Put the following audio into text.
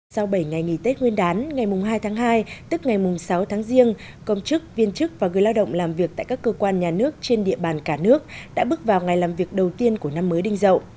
sau bảy ngày nghỉ tết nguyên đán ngày hai tháng hai tức ngày sáu tháng riêng công chức viên chức và người lao động làm việc tại các cơ quan nhà nước trên địa bàn cả nước đã bước vào ngày làm việc đầu tiên của năm mới đinh dậu